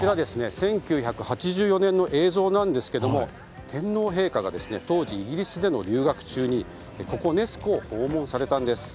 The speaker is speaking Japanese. １９８４年の映像なんですが天皇陛下が当時、イギリスでの留学中にここ、ネス湖を訪問されたんです。